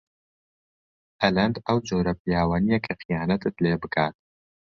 ئەلەند ئەو جۆرە پیاوە نییە کە خیانەتت لێ بکات.